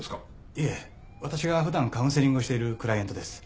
いえ私が普段カウンセリングをしているクライエントです。